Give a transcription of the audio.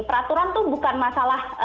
peraturan tuh bukan masalah